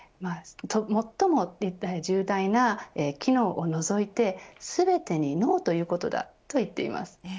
最も重大な機能を除いて全てにノーということだと言っています。